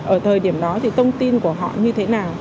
ở thời điểm đó thì thông tin của họ như thế nào